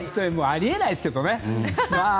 あり得ないですけどね。